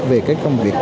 về công việc